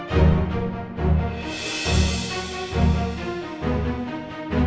saya mau ke kamar